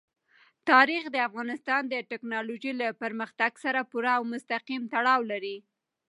تاریخ د افغانستان د تکنالوژۍ له پرمختګ سره پوره او مستقیم تړاو لري.